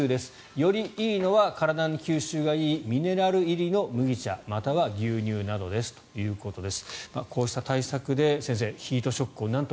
よりいいのは体に吸収が入りやすいミネラル入りの麦茶または牛乳などですということです。